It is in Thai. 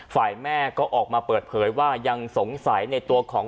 ฝ่ายแม่ก็ออกมาเปิดเผยว่ายังสงสัยในตัวของ